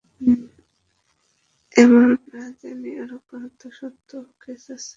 এমন না জানি আরো কত শত কেস আছে।